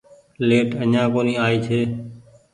ليٽ اڃآن ڪونيٚ آئي ڇي